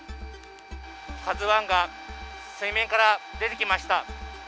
「ＫＡＺＵⅠ」が水面から出てきました。